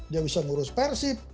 dia bisa ngurus persib